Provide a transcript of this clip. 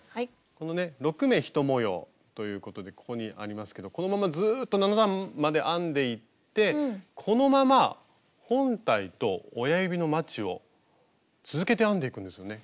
このね６目１模様ということでここにありますけどこのままずっと７段まで編んでいってこのまま本体と親指のまちを続けて編んでいくんですよね。